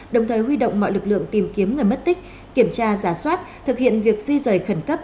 đồng thời huy động mọi lực lượng tìm kiếm người mất tích kiểm tra giả soát thực hiện việc di rời khẩn cấp